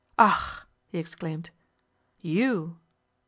'Ach!' he exclaimed. 'You!